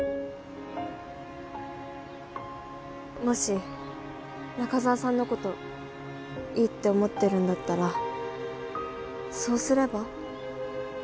もし中沢さんのこといいって思ってるんだったらそうすれば？